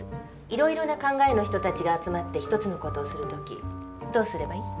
いろいろな考えの人たちが集まって１つの事をする時どうすればいい？